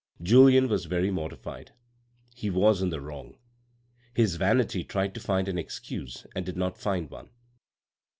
Julien was very mortified; he was in the wrong. His vanity tried to find an excuse and did not find one.